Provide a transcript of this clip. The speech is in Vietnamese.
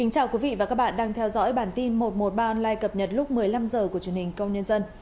chào mừng quý vị đến với bản tin một trăm một mươi ba online cập nhật lúc một mươi năm h của truyền hình công nhân